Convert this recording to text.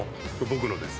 僕のです。